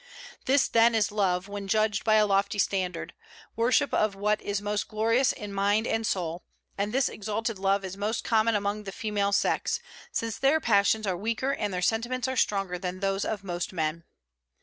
This then is love, when judged by a lofty standard, worship of what is most glorious in mind and soul. And this exalted love is most common among the female sex, since their passions are weaker and their sentiments are stronger than those of most men.